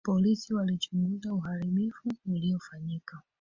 Polisi walichunguza uharibifu uliofanyika